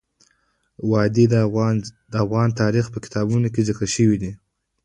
وادي د افغان تاریخ په کتابونو کې ذکر شوی دي.